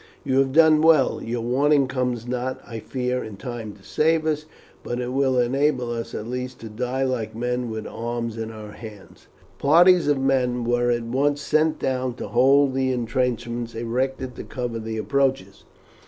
"You have done well. Your warning comes not, I fear, in time to save us, but it will enable us at least to die like men, with arms in our hands." Parties of men were at once sent down to hold the intrenchments erected to cover the approaches.